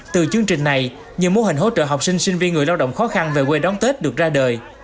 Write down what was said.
từ chương trình này nhiều mô hình hỗ trợ học sinh sinh viên người lao động khó khăn về quê đón tết được ra đời